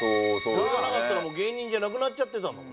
それがなかったら芸人じゃなくなっちゃってた。